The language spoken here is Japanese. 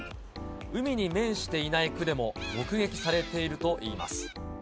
海に面していない区でも目撃されているといいます。